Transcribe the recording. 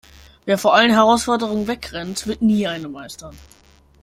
Wer vor allen Herausforderungen wegrennt, wird nie eine meistern.